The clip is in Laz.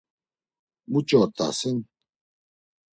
Muç̌o ort̆asen?